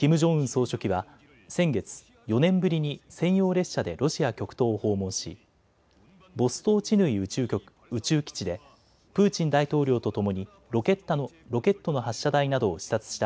総書記は先月、４年ぶりに専用列車でロシア極東を訪問しボストーチヌイ宇宙基地でプーチン大統領とともにロケットの発射台などを視察した